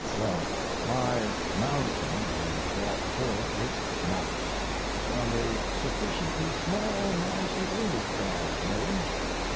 Well, my mountain has brought forth its mouse, and a sufficiently small mouse it is, God knows.